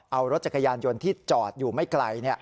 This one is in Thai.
เอารถจักรยานยนต์ที่จอดอยู่ไม่ไกล